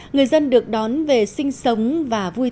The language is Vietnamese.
người dân được đón về sinh sống và vui tết